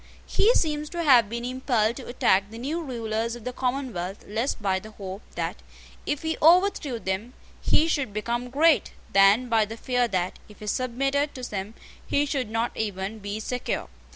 He seems to have been impelled to attack the new rulers of the Commonwealth less by the hope that, if he overthrew them, he should become great, than by the fear that, if he submitted to them, he should not even be secure.